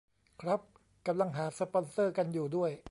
ครับ กำลังหาสปอนเซอร์กันอยู่ด้วย